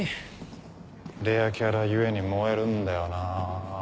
レアキャラゆえに燃えるんだよな。